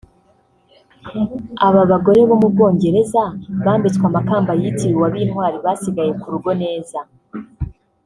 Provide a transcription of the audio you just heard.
aba bagore bo mu Bwongereza bambitswe amakamba yitiriwe ab’intwari basigaye ku rugo neza